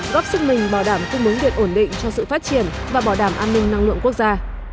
góp sức mình bảo đảm cung ứng điện ổn định cho sự phát triển và bảo đảm an ninh năng lượng quốc gia